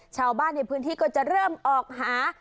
ชาวบ้านในพื้นที่ก็จะเริ่มออกหา